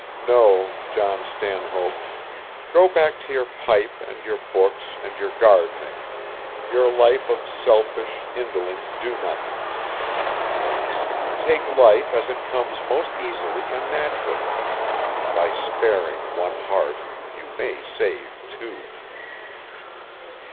No, John Stanhope, go back to your pipe and your books and your gardening, your life of selfish, indolent do nothing. Take life as it comes most easily and naturally. By sparing one heart you may save two.